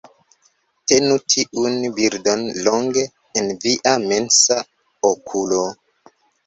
Tenu tiun bildon longe en via mensa okulo